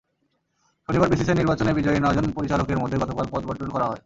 শনিবার বেসিসের নির্বাচনে বিজয়ী নয়জন পরিচালকের মধ্যে গতকাল পদবণ্টন করা হয়।